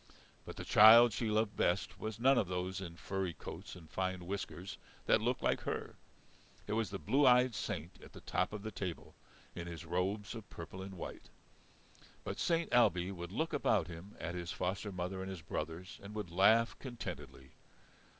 But the child she loved best was none of those in furry coats and fine whiskers that looked like her; it was the blue eyed Saint at the top of the table in his robes of purple and white. But Saint Ailbe would look about him at his foster mother and his brothers and would laugh contentedly.